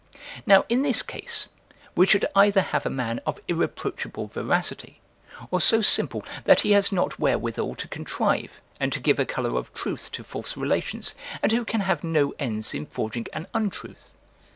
Now in this case, we should either have a man of irreproachable veracity, or so simple that he has not wherewithal to contrive, and to give a colour of truth to false relations, and who can have no ends in forging an untruth.